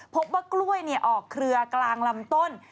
พบว่ากล้วยออกเครือกลางลำต้น